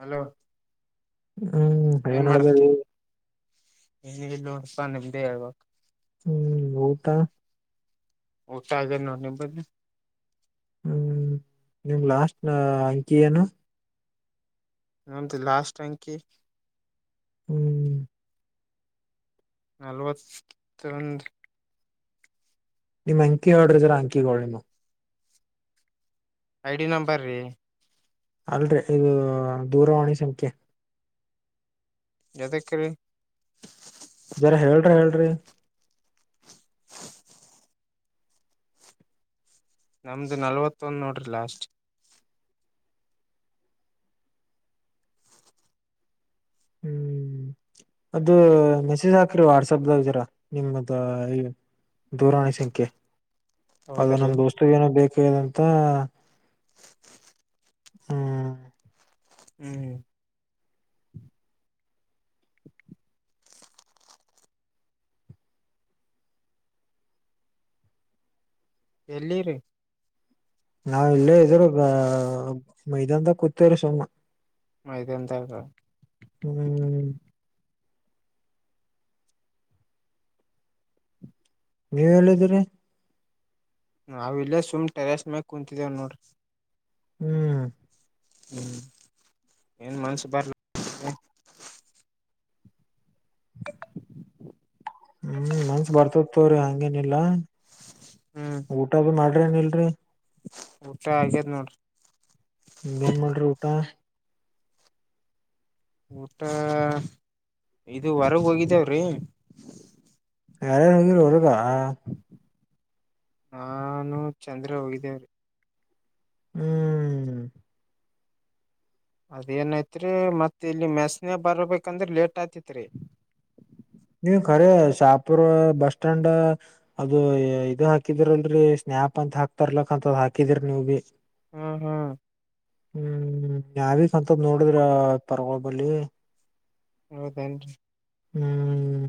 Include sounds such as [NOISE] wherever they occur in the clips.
Hello ಹ್ಮ್ ನಡ ನಲ್ಲೋತಾ ನಿಮ್ದೇವಾಗ ಹ್ಮ್ ತಾ ಟೈಗರ್ ನನ ಬ ಹ್ಮ್ ನಿಮ್ ಲಾಸ್ಟ್ ನ ಅಂಕಿ ಏನು ನಮ್ದ ಲಾಸ್ಟ್ ಟ್ಯಾಂಕ ಹ್ಮ್ ನಲ್ವತ್ತೊಂದು ನಿಮ್ ಅಂಕಿ ಹೊಡ್ರಿದ್ರ ಅಂಕಿ ಒಳನು ಐ ಡಿ ನಂಬರ್ ರೀ ಅಲ್ರರಿ ಇದು ದೂರವಾಣಿ ಸಂಖ್ಯೆ ಜತೆ ಕ ಜರ ಹೇಳ್ರಿ ಹೇಳ್ರಿ ನಮ್ದು ನಲ್ವತ್ತೊಂದ ನೋಡ್ರಿ ಲಾಸ್ಟ್ ಹ್ಮ್ ಅದು ಮೆಸೇಜ್ ಹಾಕ್ರಿ ವಾಟ್ಸಪ್್ದಾಗಿದರ ನಿಮ್ದ ದೂರಾಣಿ ಸಂಖ್ಯೆ ಅದು ಹೌದ್ರೀ ನಮ್ದು ವಸ್ತುವ ಏನೋ ಬೇಕಾದಂತ ಹ್ಮ ಹ್ಮ್ ಎಲ್ಲಿರು ನಾವ್ ಇಲ್ಲೇ ಇದ್ರ ಮೈದಂತ ಕೂತ್ವ್ರ ಸುಮ್ಮ ಮದ ಎಂತಾಗ ಹ್ಮ್ ನೀವ್ ಹೇಳಿದೀರಿ ನಾವ ಇಲ್ಲೇ ಸುಮ್ ಟೆರಸ್ ಮ್ಯ ಕುೂಂತಿದ್ದೇವ ನೋಡ್ರಿ ಹ್ಮ್ ಹ್ಮ್ ಏನ್ ಮನ್ಸು ಬರ್ ಹ್ಮ್ ಮನ್ಸ ಬರ್ತತವ್ರಿ ಹಂಗೇನಿಲ್ಲ ಹ್ಮ್ ಊಟ ಭ ಮಾಡ ನ್ ಇಲ್ರರಿ ಊಟ ಆಗೇದ್ ನೋಡ್ರಿ ಬಂದ ಮಾಡ್ರಿ ಊಟ ಊಟ ಇಐದು ವರೆಗ ಹೋಗಿದ್ದೇವ್ರಿ ಯಾರಾರು ಅಂದರು ವದಾ ನಾನು ಚಂದ್ರ ಹೋಗಿದ್ದೇವ್ರೀ ಹ್ಮ್ ಅದೇಏನಐತ್ರಿ ಮತ್ತ ಇಲ್ಲಿ ಮೆಸನೆ ಬರ್ಬೇಕಂದ್ರೆ ಲೇಟ್ ಆತಿತ್ರಿ ನೀವು ಖರ ಶಾಪುರ್ ಬಸ್ ಸ್ಟಾಂಡ್ ಅದು ಇದು ಹಾಕಿದ್ರಲ್ರರಿ ಸ್ನೇಹ ಯಾಪ್ ಅಂತ ಹಾಕ್ತರ್ಲಕ್ ಅಂತದ್ ಹಾಕಿದರಿ ನೀವು ಭೀ ಹ್ಮ್ ಹ್ಮ್ ಹ್ಮ್ ಯಾವೀಂತಪ ನೋಡಿದ್ರ ಪರ್ವಬಲ್ಲಿ ಹೌದೇನ್ರಿ ಹ್ಮ್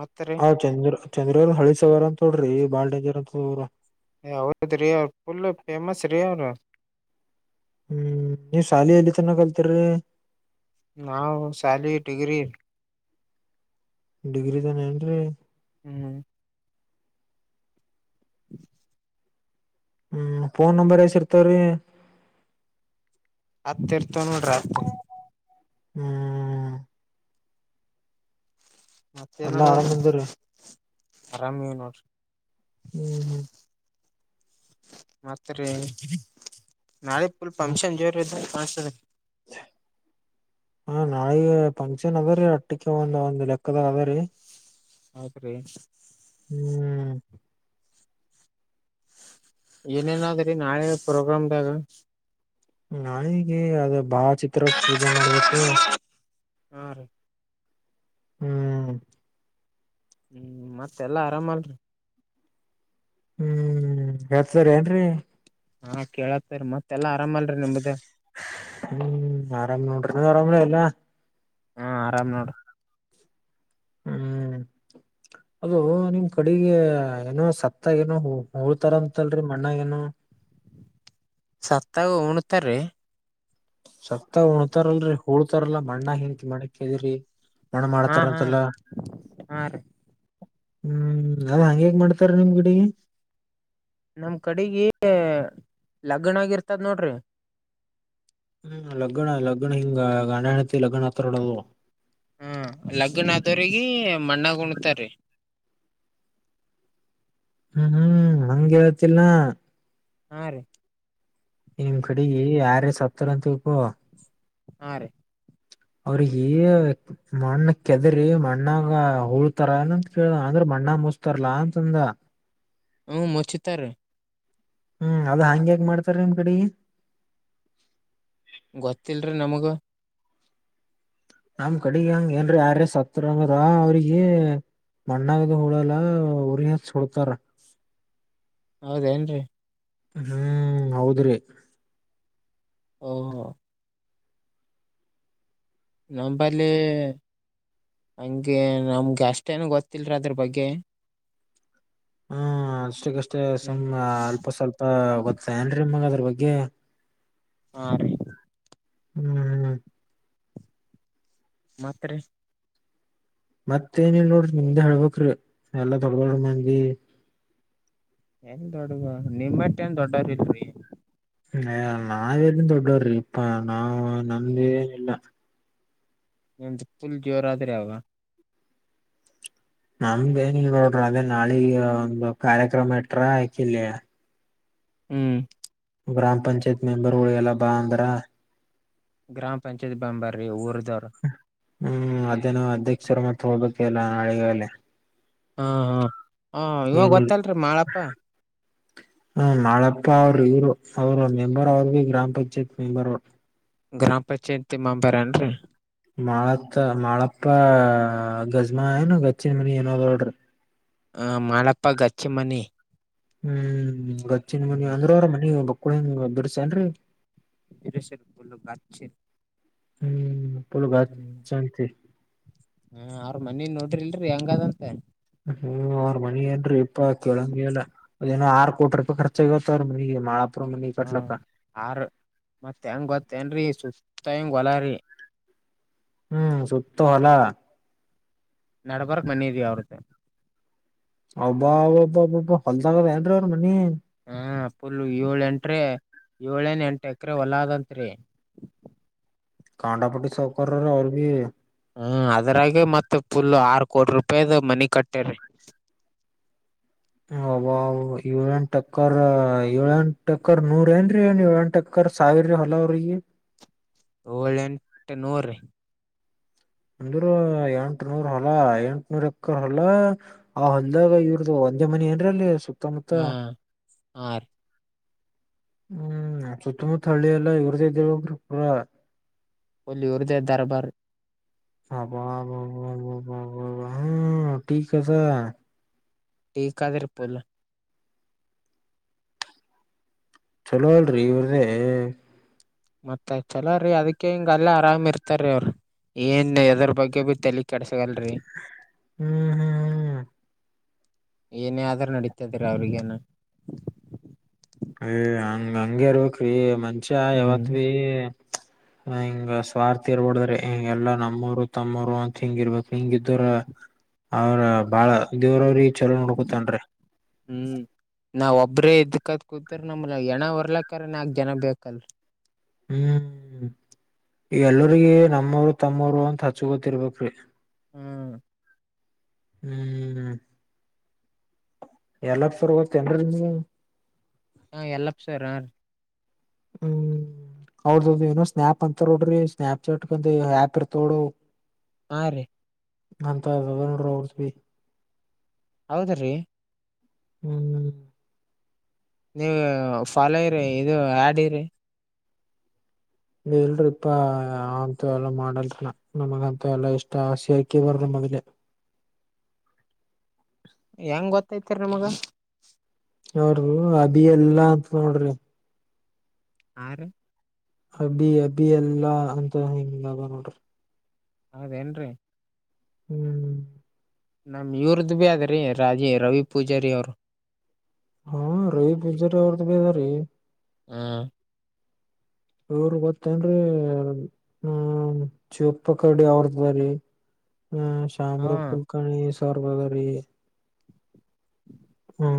ಮತ್ತರಿ ಹ್ ಚಂದ್ರ ಚಂದ್ರ ಹಳಿ ಸವರ ಅಂತ ತೋಡ್ರಿ ಬಾಳ್ ಡೇಂಜರ್ ಅಂತ್ರ ಅವದದ ರೀ ಅವರು ಲ್ ಫೇಮಸ್ ರೀ ಅವರು ಹ್ಮ್ ನೀವ್ ಶಾಲಿ ಎಲ್ಲಿ ಚನ್ನ ಕಲ್ತರಿ ನಾವು್ ಶಾಲಿ ಟಡಿಗ್ರಿ ಡಿಗ್ರಿ ತಾನ ಏನ್ರಿೀ ಹ್ಮ್ ಹ್ಮ್ ಹ ಹ್ಮ್ ಫೋನ್ ನಂಬರ್ ಎಸ್ ಇರ್ತಾವ್ರಿ ಹತ್ತಿರ್ತ ನೋಡ್ರ ಹ್ಮ್ ಮತ್ತೇ ಎಲ್ಲಾ ನೋಡ ಆರಾಮ್ ಅಂದಿರಿ ಆರಾಮ ನೀವ ನೋಡ್ರಿ ಹ್ಮ್ ಹ್ಮ್ ಮತ್ರಿ ನಾಳೆ ಫುಲ್ ಫಂಕ್ಷನ್ ಜೋರದು ಹಾ ಸರ ಹ ನಾಳಿಗೆ ಫಂಕ್ಷನ್ ಅದ ರೀ ಅಟ್ಟಕ್ಕೆ ಒಂದ್ ಒಂದ್ ಲೆಕ್ಕದಾಗ ಅದ ರೀ ಹತ್ ರೀ ಹ್ಮ್ ಏನೇನಾದ್ರಿ ನಾಳೆ ಪ್ರೋಗ್ರಾಮದಾಗ ನಾನೀಗ ಅದ ಭಾವ ಚಿತ್ರ ಪೂಜೆ ಮಾಡ್ಬೇಕು ಹ್ ರಿ ಹ್ಮ್ ಹ್ಮ್ ಮತ್ತೆಲ್ಲಾ ಆರಾಮ ಅಲ್ರಿ ಹ್ಮ್ ಹರ್ಸರಿ ಏನ್ರರಿ ಹಾ ಕೇಳತ್ತರ್ ಮತ್ ಹ್ಮ್ ಆರಾಮ ನೋಡ್ರಿ ನೀವ ಆರಮರಿಯೆಲ್ಲ ಹಾ ಆರಾಮ್ ನೋಡ್ರ ಹ್ಮ್ [INAUDIBLE] ಅದು ನಿಮ್ ಕಡೆಗೆ ಏನೋ ಸತ್ತ ಏನೋ ಹಳ್ತಾರಂತಲ್ರರಿ ಮಣ್ಣ ಏನೋ ಸತಾವ ಒಣತರ ಸತ ಉಣತಾರಲ್ರರಿ ಉಳ್ತಾರಲ್ಲಾ ಮಣ್ಣ ಹನ್ಕ ಮಣಕ್ದ್ರರಿ ಒಣ ಹಾ ಹಾ ಮಾಡ್ತಾರಂತೆಲ್ಲ ಹಾ ರೀ ಹ್ಮ್ ಅ ಹಂಗೆಗ್ ಮಾಡ್ತಾರ ನಿಮ್ ಗಿಡಿಗೆ ನಮ್ ಕಡೆಗ ಲಗ್ಣ ಆಗಿರ್ತದ ನೋಡ್ರಿ ಹ್ಮ ಲಗ್ನ ಲಗ್ನ ಹಿಂಗ ಅಣಹಣತಿ ಲಗ್ನ ಹತ್ರರಡದು ಹ್ಮ ಲಗ್ನಾದವ್ರಗ ಮಣ್ಣಾಗ ಕುಣ್ತಾರಿ ಹ್ಮ್ ಹ್ಮ್ ಹಂಗೆ ಹೇಳತ್ತಿಲ್ಲನಾ ಹ್ಮ ರಿ ನಿಮ್ ಕಡೆಗ ಯಾರೇ ಸತಾರ ಅಂತ ತಿಳಕೊ ಹಾ ರೀ ಅವ್ರಗ ಮಣ್ಣ ಕೆದರಿಿ ಮಣ್ಣಾಗ ಉೂಳ್ತಾರನಂತ ಕೇಳ ಅಂದ್ರ ಅಣ್ಣ ಮುಸ್ತರ್ಲಾ ಅಂತಂದ ಹ ಮಚ್ಚತಾರ ಹ್ಮ್ ಅದು ಹಂಗ್ಯಾಂಗ ಮಾಡ್ತಾರ ನಿಮ್ ಕಡೆ ಗೊತ್ತಲ್ರಿ ನಮಗ ನಮ್ ಕಡೆ ಹಂಗ ಏನ್ ಯಾರ ಸತ್ರಂಗದ ಅವ್ರಿಗೆ ಮಣ್ಣಾಗದು ಹುಳಲ್ಲ ಉರಿ ಹತ್ ಸುಡ್ತಾರ ಹೌದೇನ್ರಿ ಹ್ಮ್ ಹೌದ್ರಿ ಹ ಹಾ ನಂಬಲಿ ಹಂಗೆ ನಮ್ಗೆ ಅಷ್ಟೇನು ಗೊತ್ತಿಲ್ರ ಅದ್ರ ಬಗ್ಗೆ ಹ್ಮ ಅಷ್ಟಕ್ಕಷ್ಟೇ ಸು್ ಹ್ಮ್ ಅಲ್ಪ ಸ್ವಲ್ಪ ಗೊತ್ತನ್ರಿಗದ್ರ ಅ್ರ ಬಗ್ಗೆ ಹಾ ರೀ ಹ್ಮ್ ಹ್ಮ್ ಮಾತ್ರ ಮತ್ತ ಏನಲ್ ನೋಡ್ರಿ ನಿಮ್ದ ಹೇಳ್ಬ್ರಿ ಎಲ್ಲಾ ದೊಡ್ ದೊಡ್ ಮಂದಿ ಏನ್ ದೊಡ್ಗ ನಿಮ್ಮಟ್ಟ ನ್ ದೊಡ್ಡರ್ ಇಲ್ರಿ. ಹ ನಾವೇಲ್ಲಿನ್ ದೊಡ್ಡವ್ರಿ ಇಪ್ಪ ನಾವು ನಂದ ಏನಿಲ್ಲ. ನಿಮ್ದು ಫುಲ್ ಜೋರಾದ್ರೆ ಅವ. ನಮ್ದ ಏನಿಲ್ಲ ನೋಡ್ರಿ ಅದೇ ನಾಳಿಗ ಒಂದು ಕಾರ್ಯಕ್ರಮ ಇಟ್ರ ಯಾಕಿಲ್ಲಯ. ಹ್ಮ್ ಗ್ರಾಮ್ ಪಂಚಾಯತ್ ಮೆಂಬರ್ ಗೋಳಿಗೆ ಎಲ್ಲ ಬಾ ಅಂದ್ರ. ಗ್ರಾಮ ಪಂಚಾಯತ್ ಬಾ ಅಂದಾರಿ ಊರ್ದವರ್. ಹ್ಮ್ ಅದೇ ನಾ ಅಧ್ಯಕ್ಷರ ಮತ್ ಹೋಗಳ್ಬೇಕ ಎಲ್ಲ ನಾಳೆಗಾಲೇ. ಹಾ ಹಾ ಹ ಇವಾಗ ಗೊತ್ತಲ್ರಿ ಮಾಳಪ್ಪ. ಹ್ಮ ನಾಳಪ್ಪ ಅವ್ರರು ಇವರು ಅವ್ರ ಮೆಂಬರ್ ಅವ್ರರು ಭ ಗ್ರಾಮ್ ಪಂಚಾಯತ್ ಮೆಂಬರ್ ಅವರು. ಗ್ರಾಮ ಪಂಚಾಯತಿ ಮೆಂಬರ್ ಏನ್ರರಿ. ಮಾಳತ್ತ ಮಾಳಪ್ಪ ಗಜ್ಮಾ ಏನು ಗಚ್ಚನ್ ಮನಿ ಏನೋಡ್ರಿ. ಹ ಮಾಡಪ್ಪ ಗಚ್ಚಿ ಮನಿ. ಹ್ಮ್ ಗಚ್ಚಿನ ಮನಿ ಹ್ಮ್ ಅಂದ್ರ ಅವ್ರ ಮನಿ ಬಕ್ಕಳಂಗ ಬಿಡಸನ್ರರಿ. ಬಸರಪಲ ಗಾಚ್ಛ. ಹ್ಮ್ ಪುಲ್ ಗಚ್ ಹ್ಮ್ ಅಂತಿ ಹ ಅವ್ರ ಮನಿ ನೋಡ್ರಿ ಇಲ್ರಿ ಹೆಂಗದಂತೆ. ಹ್ಮ್ ಅವ್ರ ಮನಿ ಏನ್ ಇಪ್ಪ ಕೆೇಳಂಗಗೆ ಎಲ್ಲ ಅದೇನೋ ಆರು ಕೋಟಿ ರೂಪಾಯಿ ಖರ್ಚಾಗತ್ತ ಅವ್ರ ಮನಿಗೆ ಮಾಳಪ್ಪ. ಹ ಆರ ಮತ್ತ ಹೆಂಗ ಗೊತ್ತೇನ್ರಿ ಸುತ್ತ ಹೆಂಗ ಹೋಲಾರಿ. ಹ್ಮ್ ಸುತ್ತ ಹೊಲಾ. ನಡಬರ್ಕ್ ಮನಿ ಅವರದು. ಅಬಾಬಾ ಅಬಬ ಹೊಲ್ದಾಗದ ಏನ್ರಿ ಅವರು ಮನಿ. ಹಾ ಪುಲ್ ಏಳ ಎಂಟ್ರೀ ಏಳೇಏನ್ ಎಂಟ ಎಕ್ರ ಹೊಲದಂತ್ರಿ. ಕಾಂಡಾಪಟ್ಟಿ ಸೌಕರ ಅವರು ಬಿ. ಹ್ಮ ಅದ್ರಾಗೆ ಮತ್ತೆ ಫುಲ್ ಆರು ಕೋಟಿ ರೂಪಾಯದ ಮನಿ ಕಟ್ಟೇರಿ. [INAUDIBLE] ಅಬಬ ಅವ ಏಳಂಟ ಅಕ್ಕರ್ ಏಳ ಎಂಟ ಅಕ್ಕರ್ ನೂರ ಏನ್ ಏ ಏಳಂಟು ಅಕ್ಕರ್. ಸಾವಿರ ಹೊಲ ಅವರಗೆ. ಏಳೆಂಟು ನೂರ್ ರಿ. ಅಂದ್ರ ಎಂಟ ನೂರ್ ಹೊಲ ಎಂಟನೂರ್ ಎಕರ್ ಹೊಲ ಆ ಹೊಲ್ದಾಗ ಇವ್ರದು. ಸಂಜೆ ಮನಿ ಏನ್ರ ಅಲ್ಲಿ ಸುತ್ತಮುತ್ತ. ಆ ರೀ. ಹ್ಮ್ ಸುತ್ತಮುತ್ತ ಹಳ್ಳಿ ಎಲ್ಲ ಇವ್ರ್ದ ಇದ್ದೋಗ್ರ ಪೂರ. ಒಲ್ಲಿ ಉರುದ ದರಬಾರ್. ಅಬ್ಬಬ್ಬಾ ಅಬ್ಬಬ್ಬಾ ಟೀ ಕದ. ಟಿಕಾದಿರ್ ಪುಲ್. ಚಲೋವಲ್ರಿ ಇವ್ರದೇ. ಮತ್ತೆ ಚಲೋ ರೀ ಅದಕ್ಕೆ ಹಿಂಗ ಅಲ್ಲ ಆರಾಮ್ ಇರ್ತ್ರೀ ಅವ್ರಿ. ಏನ್ ಎದ್ರ ಬಗ್ಗೆ ಭ ಬಗ್ಗೆ ತಲೆ ಕೆಡಸಗಲ್ರಿ. ಹ್ಮ್ ಹ್ಮ್ ಹ್ಮ್ ಏನೇ ಆದ್ರೂ ನಡೀತದರ ಅವ್ರಗೇನ. ಯ ಹಂಗ ಹಂಗಗೆರು ಕ್ರೀ ಮನುಷ್ಯ ಹ್ಮ್ ಯಾವತ್ ಬೀ. [INAUDIBLE] ಹಿಂಗ ಸ್ವಾರ್ಥ ಇರ್ಬಡ್ರ ಹಿಂಗೆಲ್ಲಾ ನಮ್ಮೂರು ತಮ್ಮರು ಅಂತ ಹಿಂಗ ಇರ್ಬೇಕು ಹಿಂಗಿದ್ರ. ಅವ್ರ ಬಾಳ ದೇವರವ್ರಿಗೆ ಚಲೋ ನೊಡ್ಕೊತನರೀ. ನಾವ ಒಬ್ಬ್ರೇ ಇದ್ಕತ್ ಕೂತ್ರ ನಮ್ ಹೆಣಾ ಹೊರ್ಲಕ್ಕ್ರ ನಾಕ್ ಜನ ಬೇಕಲ್ ರಿ. ಹ್ಮ್ ಈ ಎಲ್ಲರಿಗ ನಮ್ಮವರು ತಮ್ಮವರು ಅಂತ ಹಚ್ಚು ಗೊತ್ತಿರ್ಬೇಕ್ರಿ. ಹ್ಮ್ ಹ್ಮ್ ಎಲ್ಲ ಪುರ್ ಹೋಗ್ತೇನ್ರಿ ನೀವ ಹಾ ಎಲ್ಲಪ್ ಸರ ಹ್ಮ. ಹೌದೌದು ಏನೋ ಸ್ನ್ಯಾಪ್ ಹಾಕ್ತಾರ ನೋಡ್ರಿ ಸ್ನ್ಯಪ್ ಚಾಟ್ಂತ ಆ್ಯಪ್ ಇರ್ತೋಡು. ಹಾರಿ. ಅಂತ ಅದ ನೋಡ್ರ ಅವರ್ಸ ಹೌದ್ರೀ. ಹ್ಮ. ನೀವ ಫಾಲೋ ಇರಿ ಇದು ಆಡಿರಿ. ಇಲ್ರರಿಪ್ಪಾ ಅಂತ ಎಲ್ಲ ಮಾಡಲ್ನ ನಮಗಂತ ಎಲ್ಲಾ ಇಷ್ಟ ಆಸೆ ಆಕಿ ಬರ್ ಅದಲೆ [INAUDIBLE] ಹೆಂಗ್ ಗೊತ್ತೈತಿರಿ ನಿಮಗ ಅವರು ಅಬಿ ಎಲ್ಲಾ ಅಂತ ನೋಡ್ರಿ ಹಾರಿ. ಅಬಿ ಅಬಿ ಎಲ್ಲಾ ಅಂತ ಹಿಂಗ ಅದ ನೋಡ್ರಿ. ಹೌದೇನ್ರೀ. ಹ್ಮ. ನಮ್ಮ ಇವ್ರದ್ದ ಭೀ ಆದ್ರೀ ರಾಜಿ ರವಿ ಪೂಜಾರಿ ಅವರ ಹಾ ರವಿ ಪೂಜಾರಿ ಅವ್ರ ಬಿ ಅದ ರಿ. ಹ ಇವರ ಗೊತ್ತನ್ರೀ ಹ್ಮ ಚಿಪ್ಪ ಕರ್ಡಿ ಅವ್ರ್ದಾರಿ. [INAUDIBLE] ಹ್ಮ ಶಂಬರ ಹ ಕುಲ್ಕರ್ಣಿ ಸರ್ವದರಿ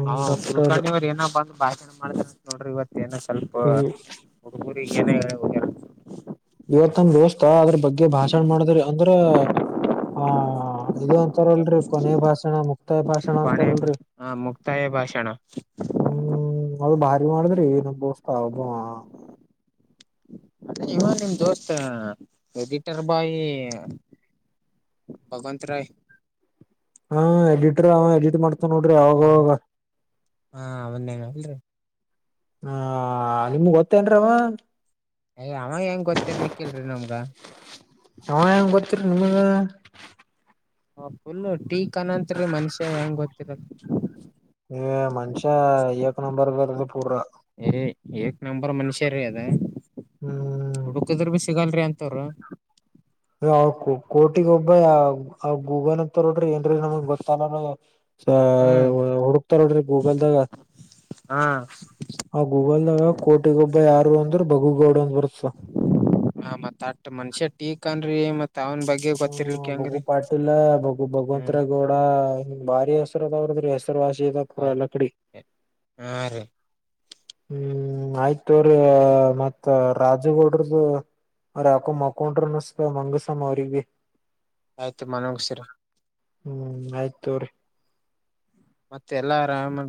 ಹಾ ಡಾಕ್ಟರ್ ಹುಳ್ಕವ್ರ ಏನ ಬಂದ್ ಭಾಷಣ ಮಾಡತಾರಂತ ನೋಡ್ರಿ ಇವತ್ತ ಏನ ಕೆಲ್ಸ ಏನ್ ಹೇಳಿ ಹೋಗ್ಯಾರ. ಇವತ್ ನಮ ದೋಸ್ತ ಅದ್ರ ಬಗ್ಗೆ ಭಾಷಣ ಮಾಡಿದ್ರ ಅಂದ್ರ ಆ ಇದು ಅಂತಾಲ್ರರಿ ಕೊನೆಯ ಭಾಷಣ ಮುಕ್ತಾಯ ಭಾಷಣ ಕೊನೆ ಅಂತಾಲ್ರರಿ. ಹ ಮುಕ್ತಾಯ ಭಾಷಣ ಹ್ಮ ಅದು ಭಾರಿ ಮಾಡಿದ್ರರಿ ನಮ್ ದೋಸ್ತ ಒಬ್ಬವ ಇವ ನಿಮ್ ದೋಸ್ತ ಎಡಿಟರ್ ಬಾಯಿ ಭಗವಂತ ರಾಯ್ ಹಾ ಎಡಿಟರ್ ಅವ ಎಡಿಟ್ ಮಾಡ್ ಹ್ಮ ಹಾ ಅದನ್ನೇ ಅಲ್ರಿ ಹಾ ನಿಮಗ ಗೊತ್ತೇನ್ರವ. ಎ ಆವಾ ಏನ್ ಗೊತ್ತಿರ್ಲಿಕ್ಕಿಲ್ರಿ ನಮ್ಗ ಆವಾ ಹೆಂಗ ಗೊತ್ತರಿ ನಿಮಗ ಫುಲ್ ಟೀ ಕನತ್ರಿ ಮನಷ್ಯ ಏನ್ ಗೊತ್ತಿರಲ್ ಎ ಮನಷ್ಯ ಏಕ್ ನಂಬರ್ ಬದ ಪೂರ ಏ ಏಕ್ ನಂಬರ್ ಮನುಷ್ಯರೀ ಅದ ಹ್ಮ್ ಹುಡಕದ್ರ ಬ ಸಿಗಲ್ರಿ ಅಂತವ್ರ. ಕೋಟಿಗ್ ಒಬ್ಬ ಗೂಗಲ ನ್ಂತ ರೋಡ್ರಿ ಏನ್ರ ನಮಗ ಗೊತ್ತ ಸ ಹ್ಮ್ ಹುಡಕ್ತಾರ ನೋಡ್ರಿ ಗೂಗಲ್ದಾಗ ಹಾ ಆ ಗೂಗಲ್ದಾಗ ಕೋಟಿಗೊಬ್ಬ ಯಾರು ಅಂದ್ರ ಬಗುಗೌಡ್ ಅಂತ ಬರುತ್ತ. ಹಾ ಮತ್ತ ಅಟ್ಟ ಮನಷ್ಯ ಟೀಕ್ ಅನ್ನರಿ ಮತ್ ಅವನ್ ಬಗ್ಗೆ ಹ್ಮ ಗೊತ್ತಿರ್ಲಿಕ್ಕೆ ಬಗು ಹೆಂಗ್ರಿ ಪಾಟಲ ಬಗ ಹ್ಮ್ ಭಗವಂತರ ಗೌಡಾ. ಹ್ಮ ಬಾರಿ ಹೆಸರದಾವ್ರದ್ರೀ ಹೆಸರ ವಾಸಿ ಇದ ಪೂರ ಹಾ ಎಲ್ಲ ಕಡಿ ರೀ ಹ್ಮ ಆಯ್ತ ತೋರಿ ಮತ್ತ ರಾಜುಗೌಡ್ರದು. ಅವ್ರ ಯಾಕೋ ಮಕ್ಕೊಂಡರ ಅನ್ಸ ಮಂಗಸಾಮ ಅವ್ರಿಗ ಆಯ್ತು ಮನಗಸರ್ರ. ಹ್ಮ ಆಯ್ತ ತುಗೋರಿ. ಮತ್ತೆ ಎಲ್ಲಾ ಆರಾಮಂತ